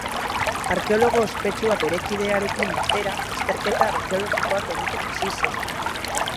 Arkeologo ospetsua bere kidearekin batera, azterketa arkeologikoak egiten hasi zen.